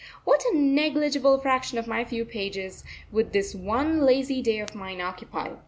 What a negligible fraction of my few pages would this one lazy day of mine occupy!